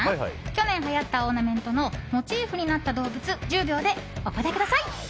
去年はやったオーナメントのモチーフになった動物１０秒でお答えください！